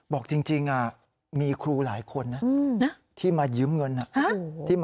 บอกจริงมีครูหลายคนที่มายืมเงินลูกสิทธิ์